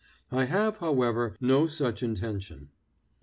I have, however, no such intention.